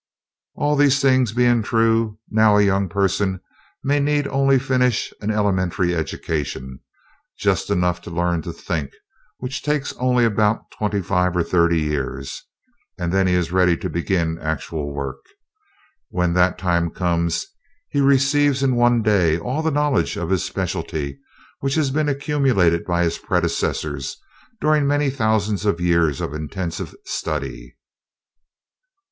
"All these things being true, now a young person may need only finish an elementary education just enough to learn to think, which takes only about twenty five or thirty years and then he is ready to begin actual work. When that time comes, he receives in one day all the knowledge of his specialty which has been accumulated by his predecessors during many thousands of years of intensive study."